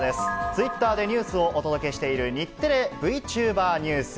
ツイッターでニュースをお届けしている日テレＶチューバーニュース。